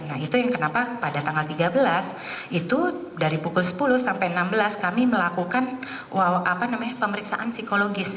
nah itu yang kenapa pada tanggal tiga belas itu dari pukul sepuluh sampai enam belas kami melakukan pemeriksaan psikologis